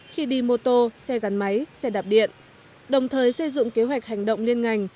khi đi mô tô xe gắn máy xe đạp điện đồng thời xây dựng kế hoạch hành động liên ngành